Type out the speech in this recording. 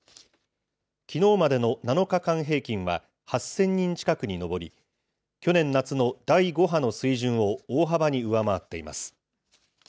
きのうまでの７日間平均は８０００人近くに上り、去年夏の第５波の水準を大幅に上回っています。